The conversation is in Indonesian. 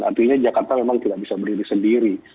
artinya jakarta memang tidak bisa berdiri sendiri